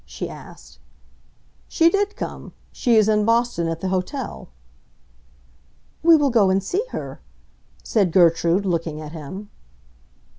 she asked. "She did come; she is in Boston, at the hotel." "We will go and see her," said Gertrude, looking at him.